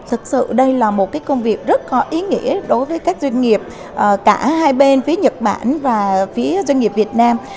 thật sự đây là một công việc rất có ý nghĩa đối với các doanh nghiệp cả hai bên phía nhật bản và phía doanh nghiệp việt nam